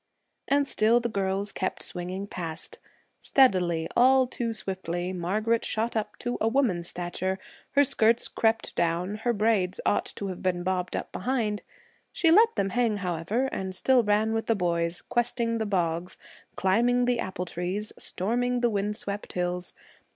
And still the girls kept swinging past. Steadily, all too swiftly, Margaret shot up to a woman's stature; her skirts crept down, her braids ought to have been bobbed up behind. She let them hang, however, and still ran with the boys, questing the bogs, climbing the apple trees, storming the wind swept hills.